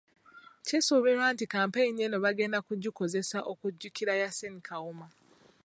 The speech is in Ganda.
Kisubiirwa nti kampeyini eno bagenda kugikozesa okujjukira Yasin Kawuma.